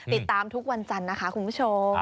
ติดตามทุกวันจันทร์นะคะคุณผู้ชม